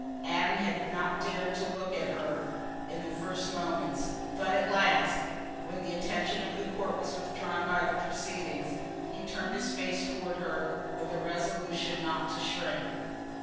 Adam had not dared to look at her in the first moments, but at last, when the attention of the court was withdrawn by the proceedings he turned his face towards her with a resolution not to shrink.